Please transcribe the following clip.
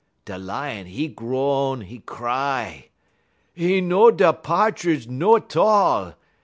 "Da Lion, 'e groan, 'e cry: "''E no da Pa'tridge no'n 'tall.